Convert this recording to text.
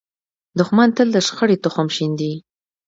دښمن تل د شخړې تخم شیندي